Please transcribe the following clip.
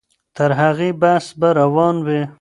تر هغې بحث به روان وي.